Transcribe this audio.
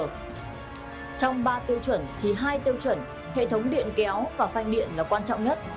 trong ba tiêu chuẩn thì hai tiêu chuẩn hệ thống điện kéo và phay điện là quan trọng nhất